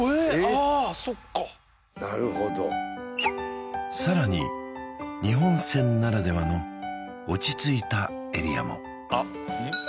ああそっかなるほどさらに日本船ならではの落ち着いたエリアもあっうん？